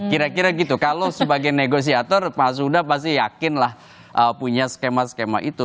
kira kira gitu kalau sebagai negosiator pak suda pasti yakinlah punya skema skema itu